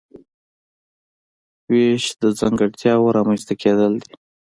وېش د ځانګړتیاوو رامنځته کیدل دي.